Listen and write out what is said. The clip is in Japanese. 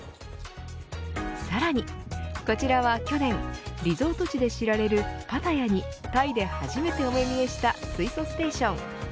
さらに、こちらは去年リゾート地で知られるパタヤに、タイで初めてお目見えした水素ステーション。